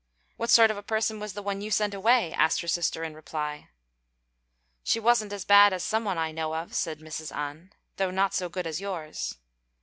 "What sort of a person was the one you sent away?" asked her sister in reply. "She wasn't as bad as some one I know of," said Mrs. An, "though not so good as yours."